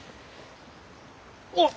おっ！